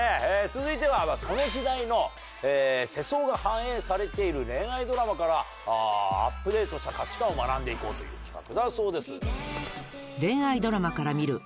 続いてはその時代の世相が反映されている恋愛ドラマからアップデートした価値観を学んで行こうという企画だそうです。